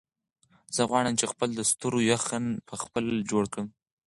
زه غواړم چې خپل د ستورو یخن په خپله جوړ کړم.